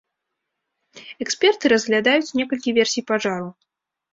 Эксперты разглядаюць некалькі версій пажару.